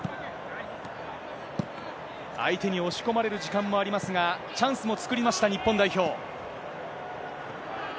相手に押し込まれる時間もありますが、チャンスも作りました、日本代表。